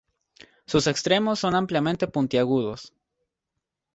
Sus extremos son ampliamente puntiagudos.